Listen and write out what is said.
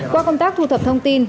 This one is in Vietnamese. qua công tác thu thập thông tin